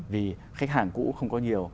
vì khách hàng cũ không có nhiều